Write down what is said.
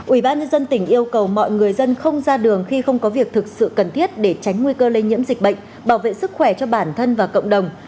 ubnd tỉnh yêu cầu mọi người dân không ra đường khi không có việc thực sự cần thiết để tránh nguy cơ lây nhiễm dịch bệnh bảo vệ sức khỏe cho bản thân và cộng đồng